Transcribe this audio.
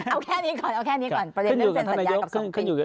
เอาแค่นี้ก่อนเอาแค่นี้ก่อนประเด็นเรื่องเซ็นสัญญากับสองคริส